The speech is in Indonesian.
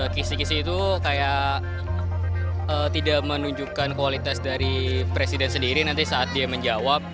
kisi kisi itu kayak tidak menunjukkan kualitas dari presiden sendiri nanti saat dia menjawab